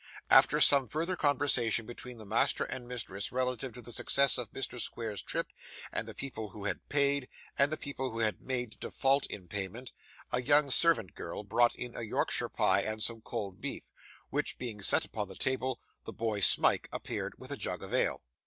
After some further conversation between the master and mistress relative to the success of Mr. Squeers's trip and the people who had paid, and the people who had made default in payment, a young servant girl brought in a Yorkshire pie and some cold beef, which being set upon the table, the boy Smike appeared with a jug of ale.